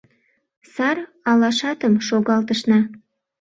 Сар алашатым шогалтышна.